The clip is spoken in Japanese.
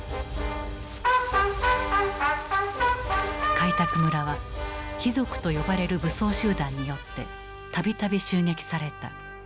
開拓村は「匪賊」と呼ばれる武装集団によって度々襲撃された。